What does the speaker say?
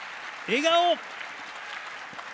笑顔。